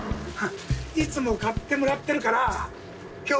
いつも買ってもらってるから今日は特別！